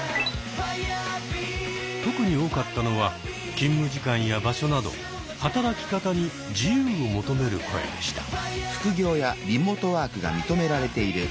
特に多かったのは勤務時間や場所など働き方に自由を求める声でした。